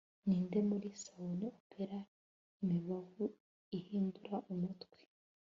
ninde muri sabune opera imibavu ihindura umutwe